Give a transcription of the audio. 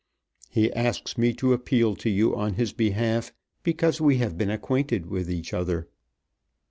He asks me to appeal to you on his behalf because we have been acquainted with each other.